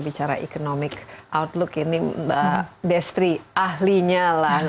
bicara economic outlook ini mbak destri ahlinya lah